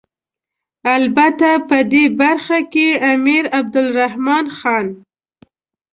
البته په دې برخه کې امیر عبدالرحمن خان.